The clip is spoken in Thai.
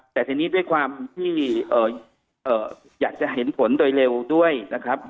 แต่ทีนี้ด้วยความที่อยากจะเห็นผลโดยเร็วด้วยนะครับ